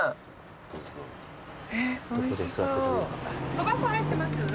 そば粉入ってますけど。